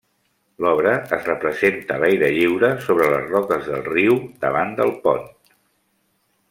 L'obra es representa a l'aire lliure sobre les roques del riu, davant del pont.